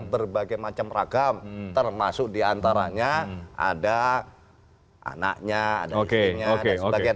berbagai macam ragam termasuk diantaranya ada anaknya ada istrinya dan sebagainya